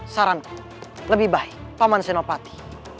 saranku lebih baik pak man senopati